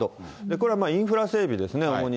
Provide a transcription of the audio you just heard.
これはインフラ整備ですね、主に。